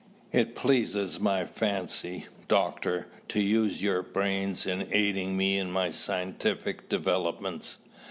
It pleases my fancy, Doctor, to use your brains in aiding me in my scientific developments.